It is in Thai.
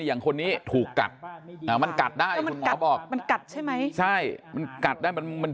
อย่างคนนี้ถูกกัดมันกัดได้มันกัดออกมันกัดใช่ไหมใช่มันกัดได้มันมัน